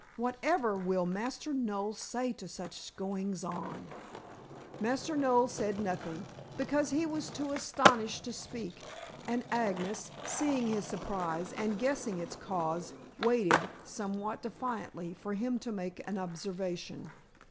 "Whatever will Master Noel say to such goings on?" Master Noel said nothing, because he was too astonished to speak, and Agnes, seeing his surprise, and guessing its cause, waited, somewhat defiantly, for him to make an observation.